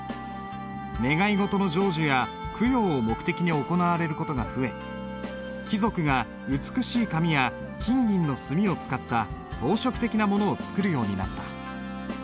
願い事の成就や供養を目的に行われる事が増え貴族が美しい紙や金銀の墨を使った装飾的なものを作るようになった。